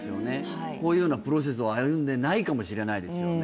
こういうようなプロセスを歩んでないかもしれないですよね